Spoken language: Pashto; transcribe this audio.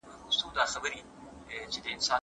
پوهه د تيارو مخه نيسي.